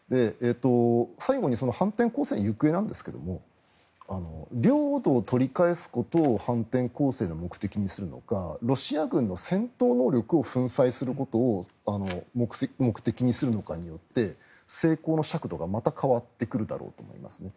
最後に反転攻勢の行方ですが領土を取り返すことを反転攻勢の目的にするのかロシア軍の戦闘能力を粉砕することを目的にするのかによって成功の尺度がまた変わってくるだろうと思います。